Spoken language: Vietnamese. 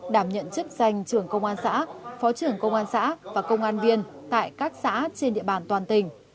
đảm nhận chức danh trưởng công an xã phó trưởng công an xã và công an viên tại các xã trên địa bàn toàn tỉnh